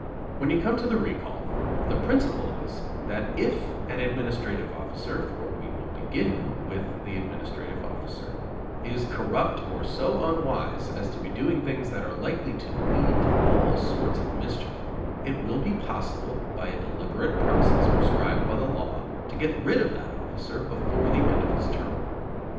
When you come to the recall, the principle is that if an administrative officer, for we will begin with the administrative officer, is corrupt or so unwise as to be doing things that are likely to lead to all sorts of mischief, it will be possible by a deliberate process prescribed by the law to get rid of that officer before the end of his term.